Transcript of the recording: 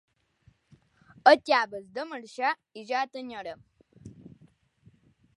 Acabes de marxar i ja t’enyorem!